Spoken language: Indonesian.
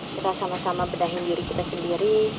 kita sama sama bedahin diri kita sendiri